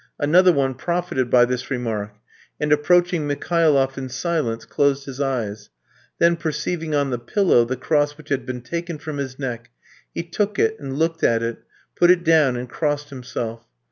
Another one profited by this remark, and approaching Mikhailoff in silence, closed his eyes; then perceiving on the pillow the cross which had been taken from his neck, he took it and looked at it, put it down, and crossed himself.